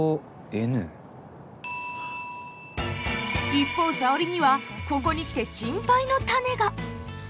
一方沙織にはここに来て心配の種が。